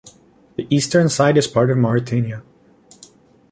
The eastern side is part of Mauritania.